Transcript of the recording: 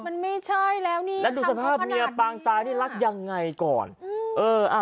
มันไม่ใช่แล้วนี่แล้วดูสภาพเมียปางตายนี่รักยังไงก่อนอืมเอออ่า